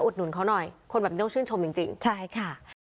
หนุนเขาหน่อยคนแบบนี้ต้องชื่นชมจริงใช่ค่ะ